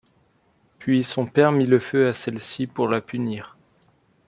Puis son père mit le feu à celle-ci pour la punir.